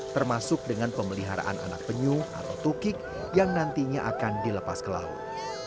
termasuk dengan pemeliharaan anak penyu atau tukik yang nantinya akan dilepas ke laut